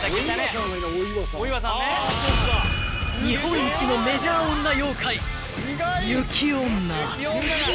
［日本一のメジャー女妖怪］